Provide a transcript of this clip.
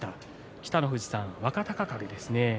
北の富士さん、若隆景ですね。